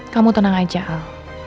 kamu tenang aja al